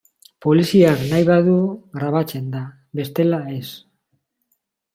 Poliziak nahi badu grabatzen da, bestela ez.